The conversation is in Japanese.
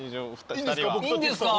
いいんですか？